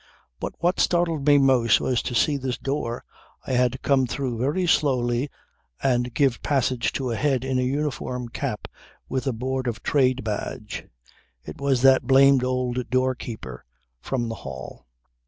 But what startled me most was to see the door I had come through open slowly and give passage to a head in a uniform cap with a Board of Trade badge. It was that blamed old doorkeeper from the hall.